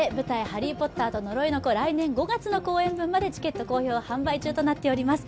「ハリー・ポッターと呪いの子」、来年５月の公演分までチケット好評発売となっています。